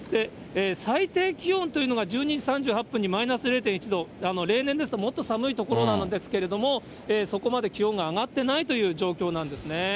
最低気温というのが、１２時３８分にマイナス０．１度、例年ですともっと寒い所なのですけれども、そこまで気温が上がってないという状況なんですね。